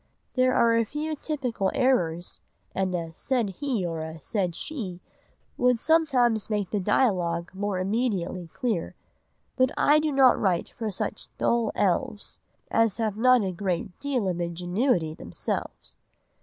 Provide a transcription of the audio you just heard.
There are a few typical errors; and a 'said he' or a 'said she' would sometimes make the dialogue more immediately clear; but 'I do not write for such dull elves' as have not a great deal of ingenuity themselves....